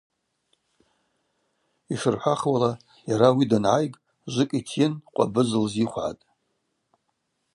Йшырхӏвахуала, йара ауи дангӏайг жвыкӏ йтйын къвабыз лзихвгӏатӏ.